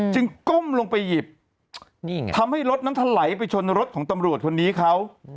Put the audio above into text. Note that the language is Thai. ก้มลงไปหยิบทำให้รถนั้นถลายไปชนรถของตำรวจคนนี้เขา